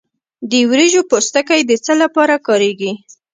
د وریجو پوستکی د څه لپاره کاریږي؟